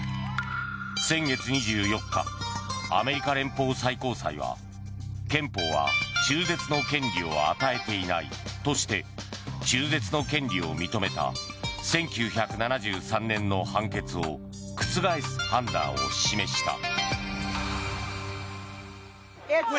先月２４日アメリカ連邦最高裁は憲法は中絶の権利を与えていないとして中絶の権利を認めた１９７３年の判決を覆す判断を示した。